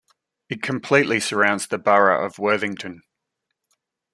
It completely surrounds the borough of Worthington.